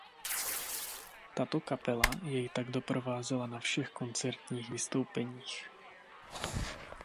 Tato kapela jej tak doprovázela na všech koncertních vystoupeních.